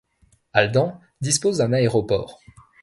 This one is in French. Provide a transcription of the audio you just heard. Aldan dispose d'un aéroport.